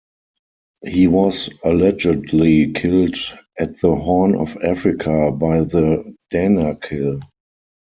He was allegedly killed at the Horn of Africa by the Danakil.